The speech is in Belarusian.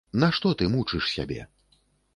Нашто ты мучыш сябе?